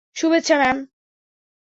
শুভেচ্ছা, ম্যাম।